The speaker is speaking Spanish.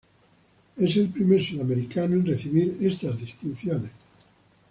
Es el primer sudamericano en recibir estas distinciones.